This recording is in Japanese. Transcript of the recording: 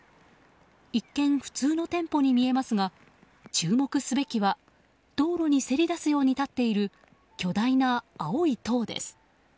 一見、普通の店舗に見えますが注目すべきは道路にせり出すように立っている巨大な青い塔です。